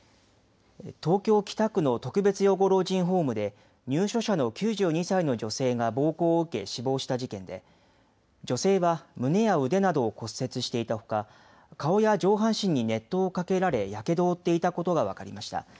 東京北区の特別養護老人ホームで入所者の９２歳の女性が暴行を受け死亡した事件で女性は胸や腕などを骨折していたほか顔や上半身に熱湯をかけられやけどを負っていたことが分かりました。